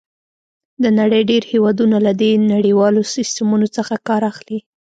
د نړۍ ډېر هېوادونه له دې نړیوالو سیسټمونو څخه کار اخلي.